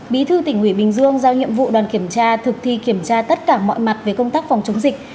bí thư tỉnh ủy bình dương giao nhiệm vụ đoàn kiểm tra thực thi kiểm tra tất cả mọi mặt về công tác phòng chống dịch